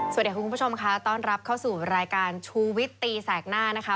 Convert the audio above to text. คุณผู้ชมค่ะต้อนรับเข้าสู่รายการชูวิตตีแสกหน้านะคะ